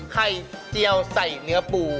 เจียวใส่เนื้อปู